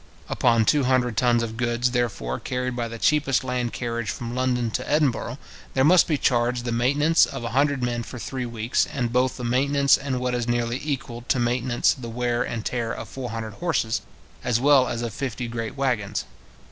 Upon two hundred tons of goods, therefore, carried by the cheapest land carriage from London to Edinburgh, there must be charged the maintenance of a hundred men for three weeks, and both the maintenance and what is nearly equal to maintenance the wear and tear of four hundred horses, as well as of fifty great waggons.